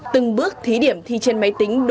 từng bước thí điểm thi trên máy tính